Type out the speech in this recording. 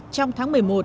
trong tháng một mươi một